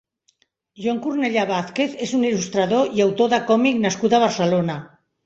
Joan Cornellà Vázquez és un il·lustrador i autor de còmic nascut a Barcelona.